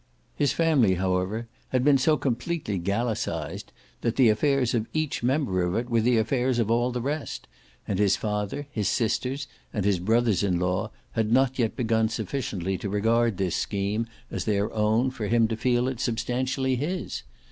His family however had been so completely Gallicised that the affairs of each member of it were the affairs of all the rest, and his father, his sisters and his brothers in law had not yet begun sufficiently to regard this scheme as their own for him to feel it substantially his.